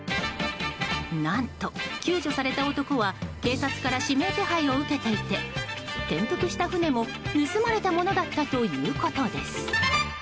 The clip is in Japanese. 何と、救助された男は警察から指名手配を受けていて転覆した船も盗まれたものだったということです。